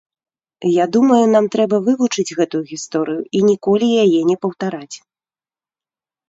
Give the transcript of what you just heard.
Я думаю, нам трэба вывучыць гэтую гісторыю і ніколі яе не паўтараць.